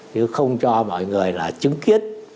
chứ không cho mọi người là chứng kiến